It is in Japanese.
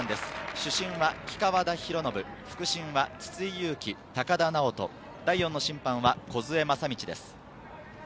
主審は木川田博信、副審は筒井勇気、高田直人、第４審判は小梢正道です。